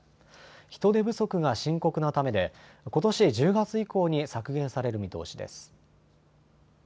人手不足が深刻なためでことし１０月以降に削減される見通しです。